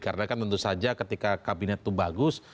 karena kan tentu saja ketika kabinet itu bagus